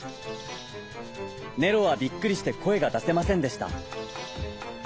ネロはびっくりしてこえがだせませんでした。